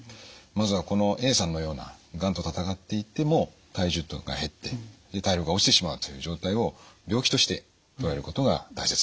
まずはこのＡさんのようながんと闘っていっても体重が減って体力が落ちてしまうという状態を病気としてとらえることが大切です。